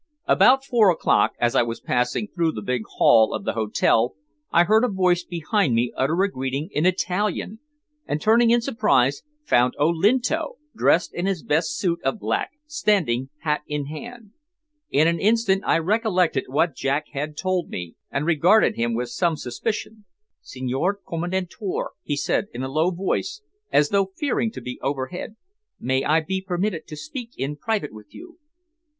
About four o'clock, as I was passing through the big hall of the hotel, I heard a voice behind me utter a greeting in Italian, and turning in surprise, found Olinto, dressed in his best suit of black, standing hat in hand. In an instant I recollected what Jack had told me, and regarded him with some suspicion. "Signor Commendatore," he said in a low voice, as though fearing to be overheard, "may I be permitted to speak in private with you?"